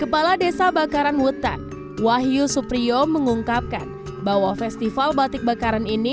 kepala desa bakaran hutan wahyu supriyo mengungkapkan bahwa festival batik bakaran ini